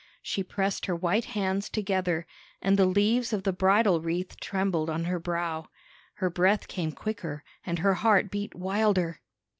She pressed her white hands together, and the leaves of the bridal wreath trembled on her brow. Her breath came quicker, and her heart beat wilder.